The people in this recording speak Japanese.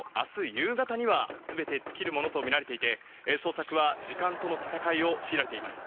夕方には全て尽きるものとみられていて捜索は時間との戦いを強いられています。